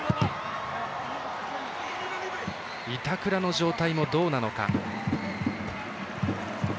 板倉の状態もどうなのか。